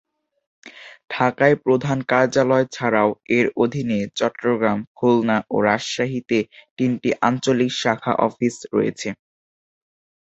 ঢাকায় প্রধান কার্যালয় ছাড়াও এর অধীনে চট্টগ্রাম, খুলনা ও রাজশাহীতে তিনটি আঞ্চলিক শাখা অফিস রয়েছে।